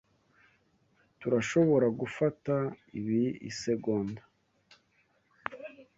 Turashoboragufata ibi isegonda?